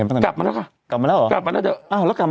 ปรากฏเลข๑๑๒๔